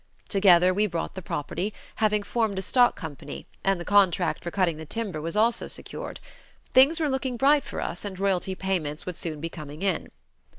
Together we bought the property, having formed a stock company, and the contract for cutting the timber was also secured. Things were looking bright for us and royalty payments would soon be coming in.